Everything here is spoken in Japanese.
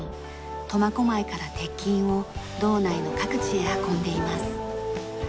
苫小牧から鉄筋を道内の各地へ運んでいます。